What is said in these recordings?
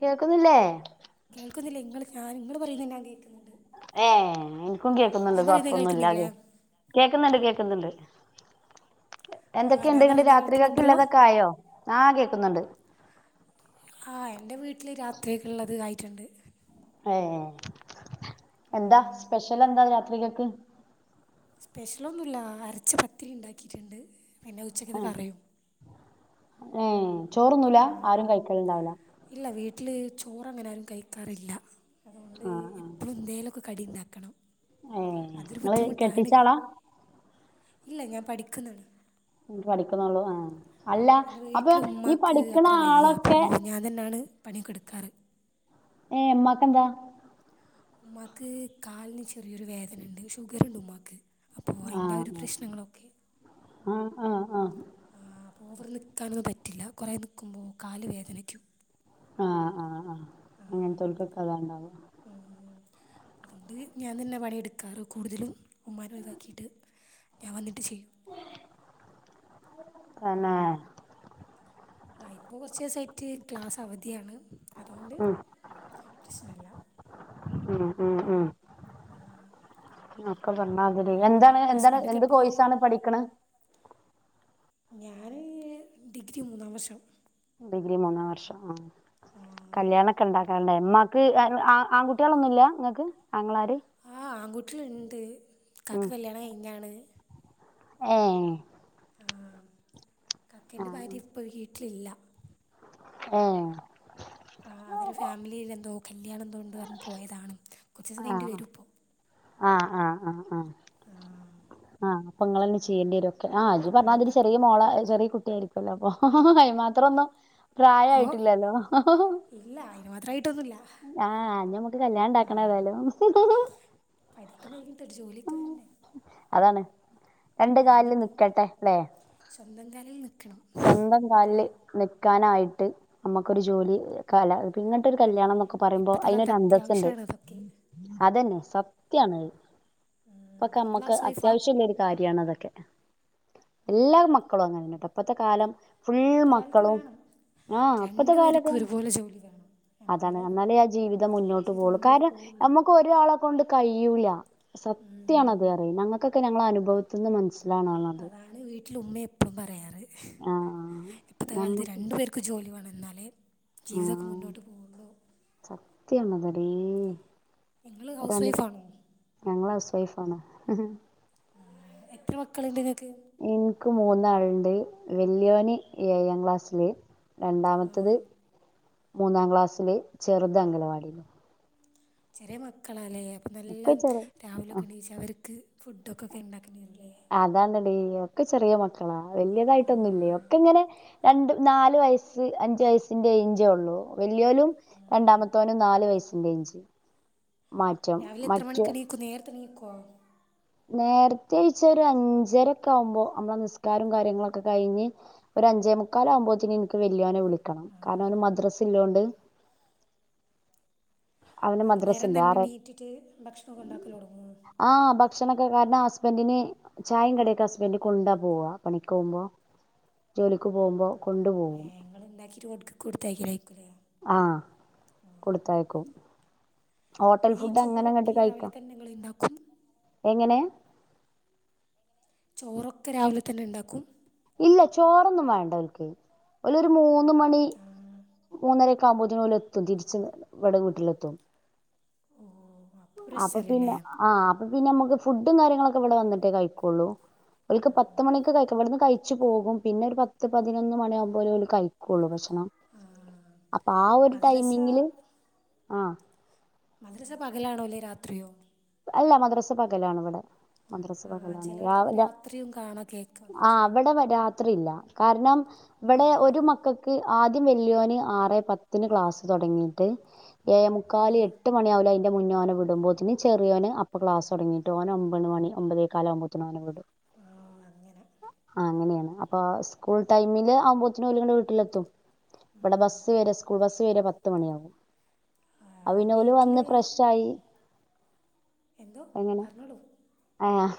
കേൾക്കുന്നില്ലേ? കേൾക്കുന്നില്ലേ ഇങ്ങള് ഞാന് ഇങ്ങള് പറയുന്നത് ഞാൻ കേക്ക്ന്ന്ണ്ട്. ഏഹ് ഇന്ക്കും കേക്ക്ന്നുണ്ട് കൊഴപ്പൊന്നുല്ല കേൾക്കുന്നില്ലേ കേ കേക്ക്ന്ന്ണ്ട് കേക്ക്ന്ന്ണ്ട് ആ ഞാൻ എന്തൊക്കെണ്ട് ഇന്നെട്ട് പറയുന്നത് കേൾക്കുന്നുണ്ടല്ലോ രാത്രികക്ക്ല്ലതൊക്കെ ആയോ ആഹ് കേക്ക്ന്നുണ്ട്. ആഹ് എന്റെ വീട്ടില് രാത്രികക്ക്ള്ളത് ആയിട്ട്ണ്ട്. ഏഹ് എന്താ സ്പെഷ്യലെന്താ രാത്രികക്ക് സ്പെഷ്യലൊന്നുല്ല അരച്ച പത്തിരി ഇണ്ടാക്കിട്ട്ണ്ട് പിന്നെ ഉച്ചക്കത്തെ കറിയും ഏഹ് ചോറ് തിന്നൂല ആരും കഴിക്കല്ണ്ടാവൂല ഇല്ല വീട്ടില് ചോറ് അങ്ങനാരും കഴിക്കാറില്ല അത്കൊണ്ട് ആ ആ ഇപ്പ എന്തേലും ക്കെ കടി ഇണ്ടാക്കണം ഏ അതൊരു നിങ്ങള് ബുദ്ധിമുട്ടാണ് കെട്ടിച്ചാളാ ഇല്ല ഞാൻ പഠിക്ക്ന്നാണ് പഠിക്ക്ന്നൊള്ളൂ ഏഹ് എൻ്റെ വീട്ടില് ഉമ്മാക്ക് അത്ര വെയ്യ അപ്പോ ആളൊക്കെ ഞാൻ തന്നെയാണ് പണിയൊക്കെ ഇട്ക്കാറ് ഏഹ് ഇമ്മാക്ക് എന്താ ഉമ്മാക്ക് കാലിന് ചെറിയൊരു വേദനണ്ട് ഷുഗറ്ണ്ട് ഉമ്മാക്ക് അപ്പോൾ അതിൻ്റെ ആ ഒരു ആഹ് പ്രശ്നങ്ങളൊക്കെ ആഹ് ആഹ് ആഹ് ആഹ് ആഹ് അപ്പൊ ഓവറ് നിക്കാനൊന്നും പറ്റില്ല കൊറേ നിക്ക്മ്പോ കാല് വേദനിക്കും ആഹ് ആഹ് ആഹ് അങ്ങനത്തൊല്ക്കൊക്കെ അതാ ഇണ്ടാവ ഉം അതോണ്ട് ഞാൻ തന്നെ പണി ഇട്ക്കാറ് കൂടുതലും ഉമ്മാനെ ഒഴിവാക്കീട്ട് ഞാൻ വന്നിട്ട് ചെയ്യും തന്നെ ആഹ് ഇപ്പോ കൊറച്ച് ദിവസായിട്ട് ക്ലാസ് അവധിയാണ് അതോണ്ട് ഉം പ്രശ്നല്ല ഉം ഉം ഉം ഒക്കെ പറഞ്ഞാതിരി എന്താണ് എന്താണ് എന്ത് കോയ്സാണ് പഠിക്ക്ണെ ഞാന് ഡിഗ്രി മൂന്നാം വർഷം ഡിഗ്രി മൂന്നാം വർഷം ഉം കല്യാണംക്കെ ഉണ്ടാക്കാണ്ടേ മമാക്ക് ആൺകുട്ടികളൊന്നുല്ല ഇങ്ങക്ക് ആങ്ങളാര് ആഹ് ആൺകുട്ടിളുണ്ട് കാക്ക് കല്യാണം കഴിഞ്ഞാണ് ഏഹ് ആഹ് ആ ഇകാക്കേന്റെ ഭാര്യ ഇപ്പൊ വീട്ടിലില്ല ഉം ആഹ് അവരെ ഫാമിലിയിയിലെന്തോ കല്യാണം എന്തോണ്ട് പറഞ്ഞ് പോയതാണ് കുറച്ച് ദിവസം കഴിഞ്ഞ് വരും ഇപ്പോ ആഹ് ആഹ് ആഹ് ആഹ് ആഹ് ആഹ്പ്പൊ നിങ്ങളന്നെ ചെയ്യേണ്ടിരും ഒക്കെ ആഹ്ജു പറഞ്ഞാ അതില് ഇപ്പം ചെറിയ മോളചെറിയ കുട്ടിയായിരിക്കും അപ്പൊ അയ്ന് മാത്രൊന്നും ഓ പ്രായയിട്ടില്ലല്ലോ ഇല്ല അയിന്ന് മാത്രായിട്ടൊന്നുല്ല ആഹ് അമ്മുക്ക് കല്യാണം ഉണ്ടാക്കണം ഏതായാലും പഠിത്തം കഴിഞ്ഞിട്ട് ഒരു ജോലിക്കെ വേണ്ടേ അതാണ് രണ്ട് കാലില് അതാണിപ്പം നിക്കട്ടെ ല്ലേ സ്വന്തം കലേൽ നിൽക്കണം സ്വന്തം കാലിൽ നിൽക്കാനായിട്ട് നമ്മുക്കൊരു ജോലി ക്കാ ല്ല എന്നിട്ട് ഒരു കല്യാണം എന്നൊക്കെ പറയുമ്പോ ഇപ്പോഴത്തെ അയ്നൊരു കാലത്ത് അന്തസ്സുണ്ട് അത്യാവശ്യമാണ് അതൊക്കെ അതന്നെ സത്യാണ് ഇപ്പൊക്കെ നിങ്ങൾ നമ്മക്ക് ഹൗസ് വൈഫാ അത്യാവശ്യള്ള- കാര്യണതൊക്കെ എല്ലാ മക്കളും അങ്ങനെതന്നെ ഇപ്പഴത്തെ കാലം ഫുൾ ഇപ്പോഴത്തെ കാലത്ത് മക്കളും വേണം ആഹ് അപ്പോഴത്തെ രണ്ട് കാലത്ത് പേർക്കും ഒരുപോലെ ജോലി വേണം അതാണ് എന്നാലേ ആ ജീവിതം മുന്നോട്ട് ജീവിതം പോകുള്ളു മുന്നോട്ട് കാരണം പോവുള്ളൂ നമ്മക്ക്- ഒരാളെ കൊണ്ട് കഴിയൂല സത്യാണത് പറയുന്നത് ഞങ്ങൾക്കൊക്കെ ഞങ്ങളെ അനുഭവത്തിന്ന് മനസി അതാണ് വീട്ടില് ഉമ്മ എപ്പോഴും പറയാറ് ആഹ് ഇപ്പത്തെ കാലത്ത് നമ്മക്ക് രണ്ടു പേർക്ക് ജോലി വേണെന്നാലേ ജീവിതമൊക്കെ മുന്നോട്ട് പോകുള്ളൂ സത്യാണ് അതെടീ നിങ്ങള് ഹൗസ് വൈഫാണോ ഞങ്ങള് ഹൗസ് വൈഫാണ് എത്ര മക്കളുണ്ട്ങ്ങക്ക് എനിക്ക് മൂന്നാളുണ്ട് വെല്യോനി ഏഴാം ക്ലാസ്സില് രണ്ടാമത്തത് മൂന്നാം ക്ലാസ്സില് ചെറുത് അംഗനവാടി ചെറിയ മക്കളാല്ലേ അപ്പൊ നല്ല ഒക്കെ ചെറു രാവിലെക്കെ എണീച്ച് അവർക്ക് ഫുഡൊക്കെ ഉണ്ടാക്കണല്ലേ അതാണെടി ഒക്കെ ചെറിയ മക്കളാ ആ. വലിയതായിട്ടൊന്നുമില്ലേ ഒക്കെ ഇങ്ങനെ രണ്ട് നാല് വയസ്സ് അഞ്ചു വയസ്സിന്റെ ഏഞ്ചേ ഉള്ളു വല്യോനും രണ്ടാമത്തോനും നാല് വയസിന്റെ ഏജ് രാവിലെ എത്ര മണിക്ക് എണിക്കും നേരത്തെ എണീക്കുവോ നേരത്തെ എഴിച്ച് ഒരു അഞ്ചരക്കെ ആകുമ്പോൾ നമ്മളെ നിസ്കാരവും കാര്യങ്ങളൊക്കെ കഴിഞ്ഞ് ഒരു അഞ്ചേ മുക്കാല് ആകുമ്പോഴത്തേന് എനിക്ക് വല്യോനെ വിളിക്കണം ആ. കാരണം അവന് മദ്രസ ഇല്ലൊണ്ട്- അവന് മദ്രസ അന്നേരം ഉണ്ട് തന്നെ ആറ് എണീറ്റിട്ട് ഭക്ഷണം ഒക്കെ ഉണ്ടാക്കൽ തുടുങ്ങുമോ ആഹ് ഭക്ഷണൊക്കെ കാരണം ഹസ്ബൻഡിന് ചായം കടിക്കെ ഹസ്ബൻഡ് കൊണ്ടാ പോവാ പണിക്ക് പോകുമ്പോ ജോലിക്ക് പോകുമ്പോ കൊണ്ടു പോകും നിങ്ങള് ഉണ്ടാക്കിട്ട് അവർക്ക് കൊടുത്തയിക്കല് ആയിരിക്കൂലെ ആഹ് കൊടുത്തയക്കും ഹോട്ടൽ ഈ ഫുഡ് അങ്ങനെങ്ങട്ട് ചോറൊക്കെ രാവിലെ കഴിക്കാം തന്നെ നിങ്ങൾ ഉണ്ടാക്കും എങ്ങനെ- ചോറൊക്കെ രാവിലെ തന്നെ ഉണ്ടാക്കും ഇല്ല ചോറൊന്നും വേണ്ടഓൽക്ക് ഓലൊരു മൂന്ന് മണി ആഹ് മൂന്നര കാമ്പോതിന് ഓലെലെത്തും തിരിച്ച് ഇവിടെ വീട്ടിലെത്തും ഓ അപ്പം അപ്പൊ പിന്നെ പ്രശ്നമല്ലല്ലേ ആഹ് പ്പോ പിന്നെ നമുക്ക് ഫുഡും കാര്യങ്ങളൊക്കെ ഇവിടെ വന്നിട്ടേ കഴിക്കൊുള്ളൂ ഓക്ക് പത്ത് മണിക്ക് കഴിക്ക ഇവിടുന്ന് കഴ ച് പോകും പിന്നെ ഒരു പത്ത് പതിനൊന്ന് മണിയ ആകുമ്പോലേ കഴിക്കുള്ളൂ ഭക്ഷണം ആ അപ്പൊ ആ ഒരു മദ്രസ ടൈമിങ്ങില് ആഹ് മദ്രസ്സ പകലാണോ അല്ലെ രാത്രിയോ അല്ല മദ്രസ പകലാണ് ഇവിടെ മദ്രസ ആ പകലാണ് ചിലയിടത്തൊക്കെ രാത്രിയും കാണാം കേക്ക് മദ്രസ ആഹ് അവിടെ രാത്രി അറിയില്ല കാരണം ആ ഇവിടെ ഒരു മക്കൾക്ക് ആദ്യം വല്യോന് ആറ് പത്തിന് ക്ലാസ് തുടങ്ങിയിട്ട് ഏഴേമുക്കാല് എട്ട് എട്ട് മണിയാവില്ല അതിന്റെ മുന്നോനെ വിടുമ്പോത്തിന് ചെറിയോന് അപ്പോ ക്ലാസ്തുടങ്ങയിട്ട് ഓന് ഒമ്പത് മണി ഒമ്പതേകാലമ്പോത്തിന് ആഹ് ആ അങ്ങനെ അങ്ങനെയാണ് ആഹ് സ്കൂൾ ടൈമില് ആവുമ്പോത്തന ഓലിങ്ങാട്ട് വീട്ടിലെത്തും ഇവിടെ ബസ്സ് വരെ സ്കൂൾ ബസ്സ് വര പത് ത് മണിയാവും ആ, അത് പിന്നെ ഓല് വീട്ടിൽ വന്ന് ഫ്രഷായി എന്തോ പറഞ്ഞോളൂ ആഹ്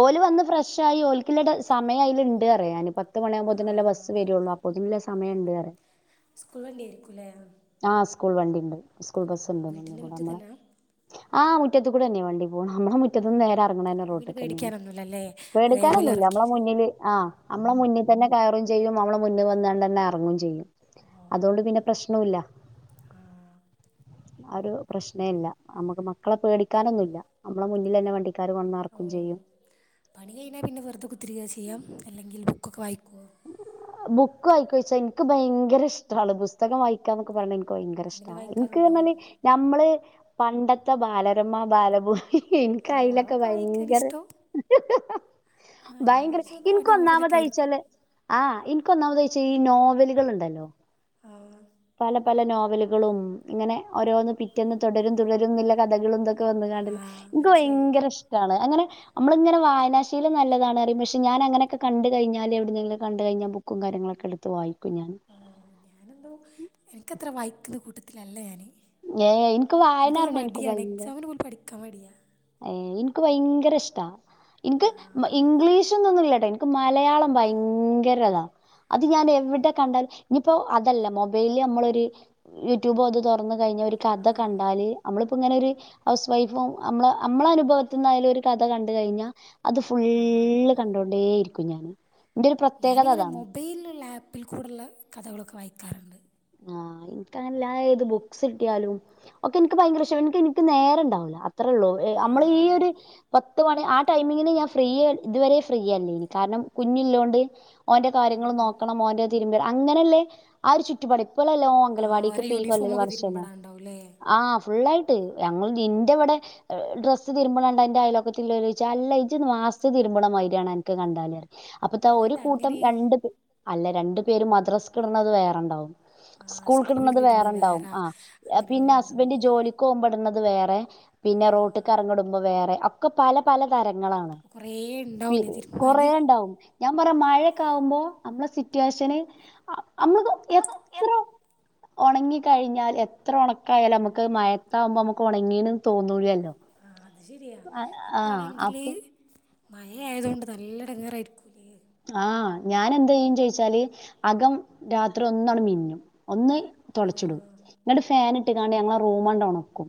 ഓല് വന്ന് ഫ്രഷ ആയി ഓലക്കുളള സമയം അതിൽ ഇണ്ട് അറിയ ഇപ്പം പത്ത് മണിയ ആ ആകുമ്പോത്തന്നല്ല ബസ്സ് അങ്ങനെ. വരുള്ളൂ അപ്പൊതില്ല ഓ സമയം ഉണ്ട് പറയ സ്കൂൾ വണ്ടി ആയിരിക്കും അല്ലേ ആഹ് സ്കൂൾ വണ്ടി ഉണ്ട് സ്കൂൾ ബസ് ആ ഉണ്ട് നമ്മുടെ വീട്ടിൻ്റെ കൂടെ വീട്ടിൽ തന്നെ ആഹ് മുറ്റത്ത് കൂടെ തന്നെയ വണ്ടി പോണത് നമ്മുടെ മുറ്റ ട്ടത്തിന്ന് നേരെ ഇറങ്ങണെ ന്നെ അപ്പോൾ പിന്നെ റോട്ടിക്ക് തന്നെയാണ് പേടിക്കാനൊന്നുമില്ലല്ലേ അതേപോലെ പേടിക്കാനൊന്നുല്ല നമ്മളെ ഇറക്കിയിട്ട് മുന്നില് ആഹ് നമ്മളെ മുന്നിൽ തന്നെ കയറും ചെയ്യും നമ്മള് മുന്നിൽ വന്നുകണ്ട് തന്നെ ഇറങ്ങുകയും ചെയ്യും അതുകൊണ്ട് പിന്നെ പ്രശ്നവില്ല ആ ഒരു പ്രശ്നെല്ല നമ്മുക്ക് മക്കളെ പേടിക്കാനൊന്നുമില്ല നമ്മളെ മുന്നിൽ തന്നെ വണ്ടി ആൾക്കാർ വന്ന് ഓ എറക്കും ചെയ്യും പണി കഴിഞ്ഞാൽ പിന്നെ വെറിതെ കുത്തിരിയ്ക്ക ചെയ്യാംല്ലെങ്കിൽ ബുക്ക്ക്കൊ വായിക്കുമോ ബുക്ക് വായിക്കോച്ചാ എനിക്ക് ഭയങ്കര ഇഷ്ടാണ് പുസ്തകം വായിക്കാന്നൊക്കെ പറഞ്ഞാ എനി ഭയങ്കര ഇഷ്ട എന്നിട്ട് വായിക്കാറുണ്ടോ എനിക്ക്ന്നാല് ഞമ്മള് പണ്ടത്തെ ബാലരമ്മ ബാലഭൂമി എനിക്ക് ഓ അതിലൊക്കെ അതൊക്കെ വായിക്കാൻ ഭയങ്കര ഇഷ്ടം ആ ഞാൻ ഭയങ്കര വിചാരിച്ചു എനിക്ക് നോവലൊക്കെ ആയിരിക്കും ഒന്നാമതായിച്ചലേ ആഹ് എനിക്ക് ഒന്നാമത് വെച്ചാല് ഈ നോവലുകൾ ഉണ്ടല്ലോ ആഹ് പല പല നോവലുകളും ഇങ്ങനെ ഓരോന്ന് പിറ്റെന്ന് തുടരും തുടരും ന്നില്ലേ കഥകളുംഒക്കെ ക്കെ വന്നകണ്ടല്ല ആ നിക്ക് മനസ്സിലായി വയങ്കര ഇഷ്ട്ടാണ് അങ്ങനെ നമ്മളിങ്ങന വായനാശീലം നല്ലതാണ്റിയും പക്ഷെ ഞാൻ അങ്ങനെക്കെ കണ്ട് കഴഞ്ഞാല് എവിടുന്നെിലുക്കെ കണ്ട് കഴിഞ്ഞാ ബുക്ക് ബുക്കും കാര്യങ്ങളൊക്കെ എടുത്ത് വായിക്കുംഞാൻ ഞാനെന്തോ എനിക്കത്ര വായിക്കന്ന കൂട്ടത്തിലല്ല ഞാന് ഏ എനിക്ക് വായന എനിക്കത് അറിയണം മടിയാണ് എക്സാമിന് പോലും പഠിക്കാൻ മടിയാ ഏഹ് എനിക്ക് ഭയങ്കര ഇഷ്ടാ ആ എനിക്ക് ഇംഗ്ലീഷ് ന്നൊന്നുംല്ലട്ടോ എനക്ക് മലയാളം ഭയങ്കര അതാ അത് ഞാൻ എവിടെ കണ്ടാലും ഇനിയിപ്പോ അതല്ല മൊബൈലില് നമ്മളരു യൂട്യൂബും അത് തുറന്നു കഴിഞ്ഞ ഒരു കഥ കണ്ടാല് നമ്മളിപ്പോ ഇങ്ങനെ ഒരു ഹൗസ് വൈഫും നമ്മള അമ്മളെ അനുഭവത്ത്ന്നായാലും ഒരു കഥ കണ്ട് കഴിഞ്ഞാ അ അത് ഫുള്ള് കണ്ടോണ്ടേ ഇരിക്കും ഞാന് എന്റെ ഒരു പ്രത്യേകത ഞാനിങ്ങനെ അതാണ് മൊബൈലിലുള്ള ആപ്പിൽ കൂടെുള്ള കഥകളൊക്കെ വായിക്കാറുണ്ട് ആഹ് എനക്ക് എല്ലാ ഏത് ബുക്സ് കിട്ടിയാലും ഒക്കെ നിക്ക് ഭയങ്കര ഇഷാ നിക്ക് നിക്ക് നേരണ്ടാവൂല്ല അത്രേ ഉള്ളൂ ആ നമ്മള് ഈ ഒരു പത്ത് മണി ആ ടൈമിങ്ങിന് ഞാൻ ഫ്രീ ഇതുവരെ ഫ്രീയല്ലേനി കാരണം കുഞ്ഞില്ലോണ്ട് ഓന്റെ കാര്യങ്ങള് നോക്കണം ഓന്റെ തിരുമ്പടണം അങ്ങനെയല്ലേ ആ ഒരു ചുറ്റുപാട് ഇപ്പലല്ലോ ഓൻ ആ അംഗലവാടിക്ക് ഓരോ പ്പി കൊല്ല യൂണിഫോമൊക്കെ വർഷന തിരുമ്പടാണ്ടാവും അല്ലേ ആ ഫുള്ളായി ട്ട് ഞങ്ങള് തിൻ്റെ വടെ ഡ്രസ്സ്‌ തിരുമ്പണണ്ട ന്റെ അയൽവക്കത്തുളൊര് ച്ച് അല്ലാ ഇജ്ജ് മാസത്ത് തിരുമ്പണ മായിരിയാണ് എനിക്ക് കണ്ടല്റയും അപ്പത്തെ ഒരു അതെന്താ കൂട്ടം അങ്ങനെ രണ്ട് അല്ല രണ്ട് പേര് മദ്രാസ്ക്ക് ഇടുന്നത് വേറെണ്ടാവും സ്കൂളിൽ സ്കൂൾക്കിടുന്നത് ഇടുന്നത് വേറെണ്ടാവും വേറെ ആ അങ്ങനെ കുറേ പിന്നെ ഹസ്ബൻഡ് ഉണ്ടാവില്ലേ ജോലി ക്കോവുമ്പോടുന്നത് വേറെ പിന്നെ റോട്ടിയ്ക്ക് എറങ്ങടുമ്പോ വേറെ ഒക്കെ പല പല തരങ്ങളാണ് അപ്പോൾ കുറേ പി ഉണ്ടാവില്ലേ തിരുമ്പാൻ കൊറേണ്ടാവും ഞാൻ പറയാ മഴൊക്കെ ആകുമ്പോ അമ്മളെ സിറ്റുവേഷന് നമ്മള് ആ എ ഒണങ്ങി കഴിഞ്ഞാൽ എത്ര ഒണക്കായാലും നമുക്ക് മയത്താവുമ്പോ നമുക്ക് ഉണങ്ങീന്ന് തോന്നൂല്ലല്ലോ ആഹ് അത് ശരിയാ ഇപ്പാണെങ്കില് അപ്പൊ മഴ ആയതോണ്ട് നല്ല ഇടങ്ങേറായിരിക്കും ആഹ് ഞാൻ എന്ത് ചെയ്യും ചോയിച്ചാല് അകം രാത്രി ഒന്നാണ് മിന്നും ഒന്ന് ഓ തൊടച്ചിടും ന്ന്ട്ട് ഫാനട്ട് കാണ്ട് ഞങ്ങള റൂംമാണ്ടൊണക്കും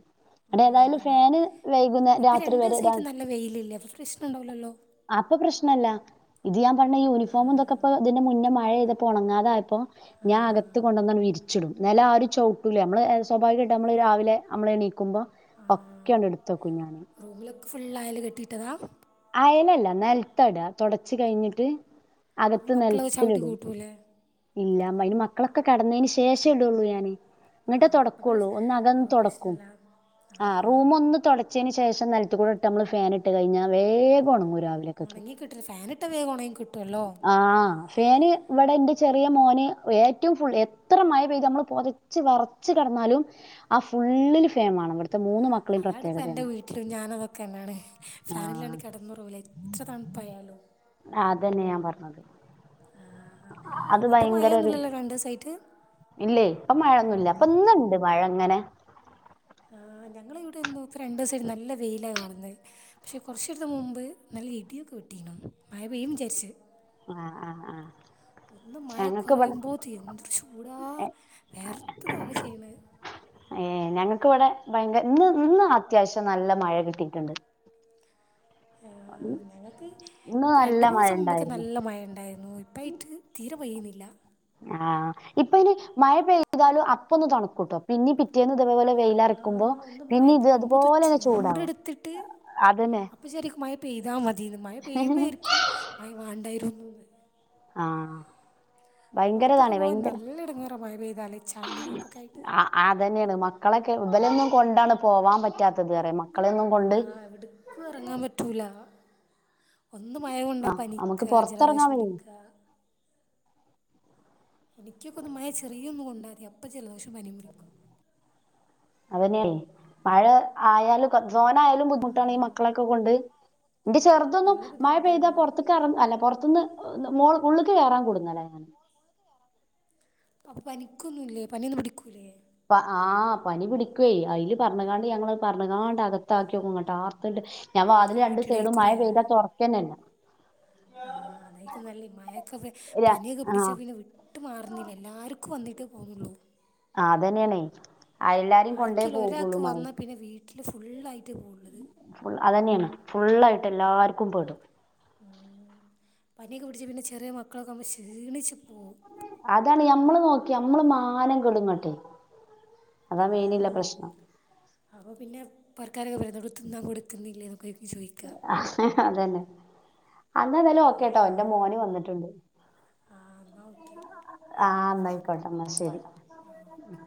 അടെ ഓ ഏതായാലും അങ്ങനെ ഫാന് വൈകുന്നര ഇപ്പം രാത്രി രണ്ട് വരെ ദിവസമായിട്ട് താണ് നല്ല വെയിലില്ലേ അപ്പോൾ പ്രശ്നം ഉണ്ടാവില്ലല്ലോ അപ്പൊ പ്രശ്നല്ല ഇത് ഞാൻ പറയണേ ആ, യൂണിഫോമുംന്തൊക്കെ പ്പൊ ഇതിനു മുന്നേ മഴെയ്തപ്പോ ഉണങ്ങാതായപ്പോ ആ, ഞാൻ അകത്ത് കൊണ്ടന്നാണ് വിരിച്ചിടും നെലം ആരും ചവിട്ടൂല നമ്മള് സ്വാഭാവികമായിട്ട് നമ്മള് രാവിലെ നമ്മള് എനീക്കുമ്പോ ആ. ഒക്കെയാണ്ട് എടുത്തെക്കും ഞാന് റൂമിലൊക്കെ ഫുള്ള് ആയല് കെട്ടിട്ടതാ അയലല്ല നെൽത്തട്ക തൊടച്ച് കയിഞ്ഞിട്ട് അപ്പം അകത്ത് മക്കളൊക്കെ ചവിട്ടി നെൽത്തിലിടും കൂട്ടൂലേ ഇല്ല മ അയന് മക്കളൊക്കെ കെടന്നേന് ശേഷെ ഇടുള്ളൂ ഞാന് ആ ന്നിട്ടേ അപ്പം തൊടക്കുള്ളൂ പ്രശ് ഒന്ന് അകം അപ്പം തൊടക്കും പ്രശ്നമില്ല ആ റൂമൊന്നു തൊട ച്ചയിന് ശേഷം നെലത്ത്കൂടെ ഇട്ട് നമ്മള് ഫാനിട്ട് കഴിഞ്ഞ വേഗുണങ്ങൂ രാവി ഒണങ്ങി കിട്ടരു ഫാനിട്ട വേഗം ഒണങ്ങി കിട്ടുല്ലോ ആഹ് ഫാന് വിടെ എന്റെ ചെറിയ മോന് ഏറ്റവും ഫുൾ എത്ര മഴ പെയ്തു നമ്മള് പോത ച്ച് വെറച്ച് കെടന്നാലും ആ ഫുള്ളില് ഫാൻ വേണം ഇവിടുത്തെ മൂന്ന് മ അതാണ് ഇപ്പ എൻ്റെ വീട്ടിലും ഞാന അതൊക്കെന്നാണ് ഫാനിലാണ്ട് ആഹ് കെടന്നുറങ്ങൂല എത്ര തണുപ്പായാലും ആഹ് അതന്നെ ഞാൻ പറഞ്ഞത് അത് ഇപ്പൊ ഭയങ്കര ഒരു മഴൊന്നുല്ലല്ലോ രണ്ടീസായിട്ട് ഇല്ലേ ഇപ്പ മഴൊന്നുല്ല അപ്പൊ ഇന്നുണ്ട് മഴ ഇങ്ങനെ ആ ഞങ്ങളിവടെന്ന് പ്പൊ രണ്ടോസായി നല്ല വെയിലാ കാണുന്നെ പക്ഷെ കുറച്ചിടത്ത് മുമ്പ് നല്ല ഇടിയൊക്കെ വെട്ടീനു മഴ പെയ്യുംന്ന് വിചാരിച്ചു ആഹ് ആഹ് ആഹ് ഒന്ന് മഴ ഞങ്ങക്ക് ഇവടെ കുറയുമ്പോ ത് എന്തൊരു ചൂടാ വെയർത്ത് താവ ചെയുന്നെ ഏ ഞങ്ങക്കിവിടെ ഭയങ്കര ഇന്ന് ഇന്ന് അത്യാവശ്യം നല്ല മഴ കിട്ടിയിട്ടുണ്ട്. ഞങ്ങൾക്ക് ഇന്ന് നല്ല രണ്ട് മഴ മൂന്ന്സം മുമ്പക്കെ ഇണ്ടായിരുന്നു നല്ല മഴ ഉണ്ടായി രുന്നു ഇപ്പായിട്ട് തീരെ പയ്യുന്നില്ല. ആഹ് ഇപ്പൊനി മഴ പെയ്താലും അപ്പൊന്ന് തണുക്കൂട്ടോ പിന്നീ പി പിറ്റേന്ന് ഇതേപോലെ ആ വെയിലറക്കുമ്പോ ഒന്ന് മഴ പിന്നെ ഇത് അതുപോലെന്നെ ചൂടാവും. അതന്നെ അപ്പൊ ശരിക്കും മയ പെയ്താ മതിന്ന് മയ പെയ്യുമ്പേരിക്കും മയ വേണ്ടായിരുന്നു. എന്ന് ആഹ്. പുറത്തൊക്കെ ഭയങ്കരതാണ് പോവാൻ ഭയങ്കര നല്ല ഇടങ്ങറ മഴ പെയ്താലേ ചളിയും ഇതൊക്കേയിട്ട്. ആഹ് അതന്നെണ് മക്കളെക്കെ ഇവലൊന്നും കൊണ്ടാണ് പോവാൻ പറ്റാത്തത് പറയ മക്കളെന്നും. ആഹ് എവിട്ക്കു എറങ്ങാൻ പറ്റൂല. ഒന്ന് മയ കൊണ്ടാ നമുക്ക് പനിക്കുക പൊറത്തെറങ്ങാൻ ജലദോഷം വയ്യ പിടിക്ക. എനിക്കൊക്കെന്ന് മയ ചെറിയൊന്നു കൊണ്ടാ മതി അപ്പ ജലദോഷം പനി പിടിക്കും. അതന്നെയ് മഴ ആയാലും. കൊർച് തോനായാലും ബുദ്ധിമുട്ടാണ് ഈ മക്കളെക്കെ കൊണ്ട് ന്റെ ചെർ തൊന്നും നല്ല മഴ പെയ്ത ബുദ്ധിമുട്ടാണ് പുറത്തക്കറ അല്ല പുറത്തുന്ന് മോൾ ഉള്ള്ക്ക് കയറാൻ കുടുങ്ങല. അപ്പൊ പനിക്കൊന്നുല്ലേ പനിയൊന്നും പിടിക്കൂലേ. പ ആഹ് പനി പിടിക്ക്വയ് അയ്ല് പറഞ്ക്കാണ്ട് ഞങ്ങളത് പറഞ്ക്കാണ്ട് അക ത്താക്ക്യോക്കും ഇങ്ങട്ട് ആർത്തണ്ട് ഞാൻ വാതിൽ വാതില് രണ്ട് സൈഡും മഴ പെയ്താ പൂട്ടിയിടായിരിക്കില്ലേ തുറക്കന്നല്ല. ആഹ് അതായിക്കും നല്ല മഴക്കെ പനിയൊക്കെ ആഹ് പിടിച്ചാ പിന്നെ വി ട്ട് മാറുന്നില്ല എല്ലാവർക്കും വന്നിട്ടെ പോവുന്നുള്ളൂ. ആഹ് അതന്നേണയ്. ആർക്കെലു ഒരാക്ക് വന്നാ പിന്നെ വീട്ടില് ഫുള്ളായിട്ട് പോവള്ളത്. ഫുൾ അതന്നെണ് ഫുള്ളായിട്ട് എല്ലാർക്കും പെടും. പനിയൊക്കെ പിടിച്ച പിന്നെ ചെറിയ മക്കളൊക്കാവുമ്പൊ ക്ഷീണിച്ച് പോവും. അതാണ് ഞമ്മള് നോക്കി നമ്മള് മാനം കെടുങ്ങട്ട് അതാ മെയ്നില്ല പ്രശ്നം. അപ്പൊ പിന്നെ പൊരക്കാരൊക്കെ പറയുന്നത് തിന്നാൻ കൊടുക്കുന്നില്ലേന്നൊക്കെ ആയിരിക്കും ചോയ്ക്ക. അതന്നെ. അന്ന എതയലും ഓക്കെട്ടോ ന്റെ മോന് വന്നിട്ടുണ്ട്. ആ എന്നാൽ ഓക്കെ ആഹ് ഇന്നയ്ക്കോട്ടെന്ന ശരി. ആ ഓക്കെ